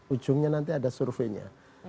ujungnya nanti ada surveinya